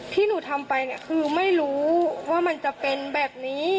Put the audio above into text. ที่หนูทำไปเนี่ยคือไม่รู้ว่ามันจะเป็นแบบนี้